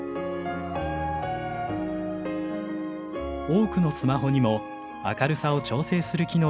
多くのスマホにも明るさを調整する機能がついています。